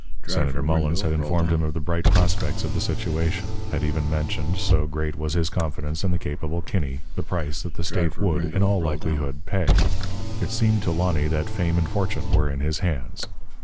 Senator Mullens had informed him of the bright prospects of the situation; had even mentioned so great was his confidence in the capable Kinney the price that the state would, in all likelihood, pay. It seemed to Lonny that fame and fortune were in his hands.